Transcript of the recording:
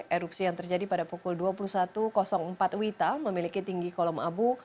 erupsi yang terjadi pada pukul dua puluh satu empat wita memiliki tinggi kolom abu